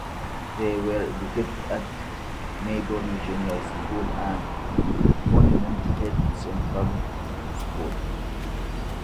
They were educated at Maybury Junior School and Monument Hill Central School.